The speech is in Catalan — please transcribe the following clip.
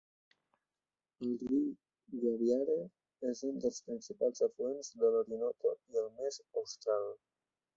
El riu Guaviare és un dels principals afluents de l'Orinoco, i el més austral.